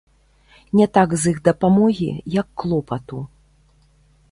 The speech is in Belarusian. Не так з іх дапамогі, як клопату.